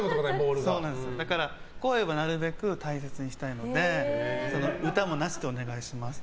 声もなるべく大切にしたいので歌もなしでお願いしますって。